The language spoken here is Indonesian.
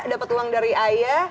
dapet uang dari ayah